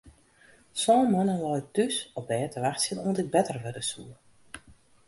Sân moannen lei ik thús op bêd te wachtsjen oant ik better wurde soe.